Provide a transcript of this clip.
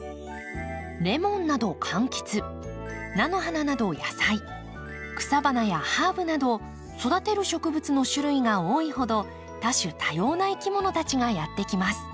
レモンなど柑橘菜の花など野菜草花やハーブなど育てる植物の種類が多いほど多種多様ないきものたちがやって来ます。